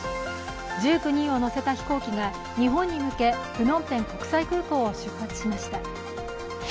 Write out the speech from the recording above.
１９人を乗せた飛行機が日本に向けプノンペン国際空港を出発しました。